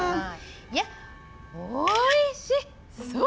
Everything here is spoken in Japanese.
いやおいしそう！